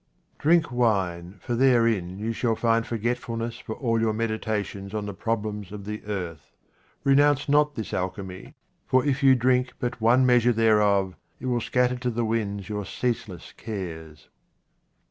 Drink wine, for therein you shall find forget fulness for all your meditations on the problems of the earth. Renounce not this alchemy, for if you drink but one measure thereof, it will scatter to the winds your ceaseless cares.